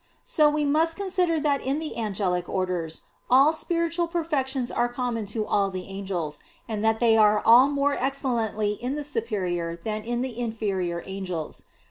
So we must consider that in the angelic orders all spiritual perfections are common to all the angels, and that they are all more excellently in the superior than in the inferior angels.